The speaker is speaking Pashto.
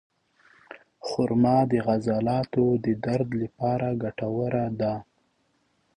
خرما د عضلاتو د درد لپاره ګټوره ده.